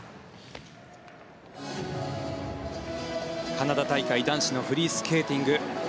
カナダ大会男子のフリースケーティング。